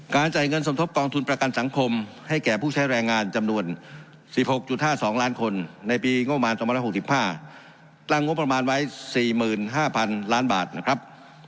จ่ายเงินสมทบกองทุนประกันสังคมให้แก่ผู้ใช้แรงงานจำนวน๑๖๕๒ล้านคนในปีงบประมาณ๒๖๕ตั้งงบประมาณไว้๔๕๐๐๐ล้านบาทนะครับ